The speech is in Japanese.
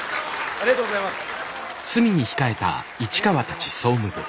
ありがとうございます！